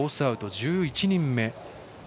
アウト、１１人目。